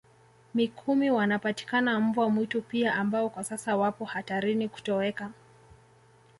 Mikumi wanapatikana mbwa mwitu pia ambao kwa sasa wapo hatarini kutoweka